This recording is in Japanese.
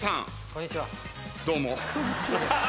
「こんにちは」って。